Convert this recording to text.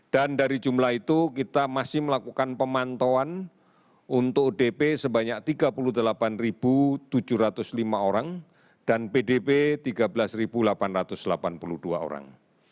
dan dari jumlah itu kita masih melakukan pemantauan untuk udp sebanyak tiga puluh delapan tujuh ratus lima orang dan pdb tiga belas delapan ratus delapan puluh dua orang